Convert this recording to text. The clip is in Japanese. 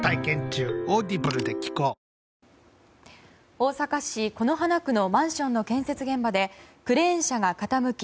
大阪市此花区のマンションの建設現場でクレーン車が傾き